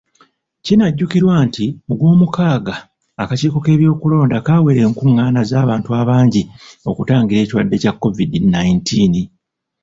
Kinajjukirwa nti mu Gwomukaaga, akakiiko k'ebyokulonda kaawera enkung'ana z'abantu abangi okutangira ekirwadde kya COVID nineteen.